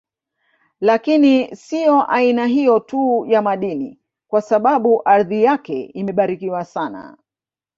Lakini siyo aina hiyo tu ya madini kwa sababu ardhi yake imebarikiwa sana